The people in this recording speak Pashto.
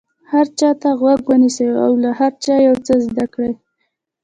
هر چا ته غوږ ونیسئ او له هر چا یو څه زده کړئ.